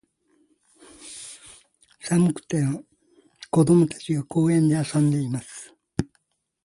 寒くても、子供たちが、公園で遊んでいます。